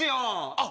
あっ